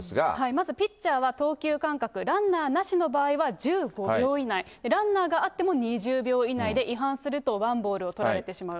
まずピッチャーは、投球間隔、ランナーなしの場合は１５秒以内、ランナーがあっても２０秒以内で違反するとワンボールを取られてしまう。